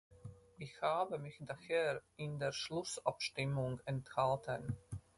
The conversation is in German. Ich habe mich daher in der Schlussabstimmung enthalten.